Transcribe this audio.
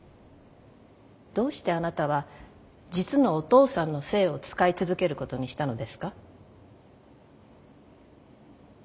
どうしてあなたは実のお父さんの姓を使い続けることにしたのですか？